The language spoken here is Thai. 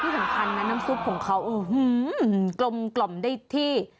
สำคัญนะน้ำซุปของเขากลมได้ที่